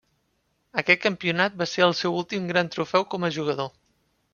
Aquest campionat va ser el seu últim gran trofeu com a jugador.